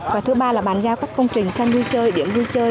và thứ ba là bàn giao các công trình xanh vui chơi điểm vui chơi